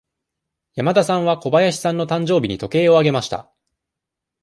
山田さんは小林さんの誕生日に時計をあげました。